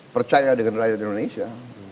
percaya dengan rakyat indonesia